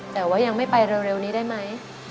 แต่ว่ายังไม่ไปเร็วนี้ได้ไหม